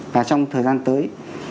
và trong thời gian tới